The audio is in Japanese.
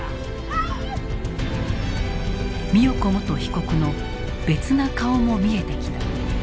美代子元被告の別な顔も見えてきた。